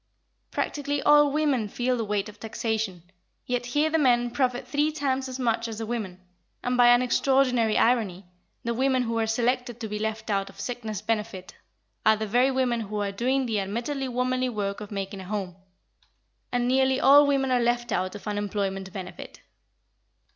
Practically all women feel the weight of taxation, yet here the men profit three times as much as the women, and by an extraordinary irony, the women who are selected to be left out of sickness benefit are the very women who are doing the admittedly womanly work of making a home, and nearly all women are left out of unemployment benefit.